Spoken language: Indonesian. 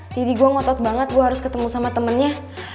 gue ngotot banget gue harus ketemu sama temennya